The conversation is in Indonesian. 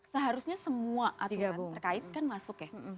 seharusnya semua aturan terkait kan masuk ya